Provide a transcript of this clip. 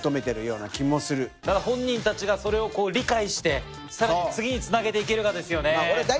本人たちがそれを理解してさらに次につなげていけるかですよね。